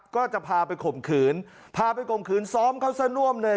ก็จะพาไปข่มขืนพาไปข่มขืนซ้อมเขาซะน่วมเลย